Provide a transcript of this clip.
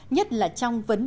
nhất là trong các trường hợp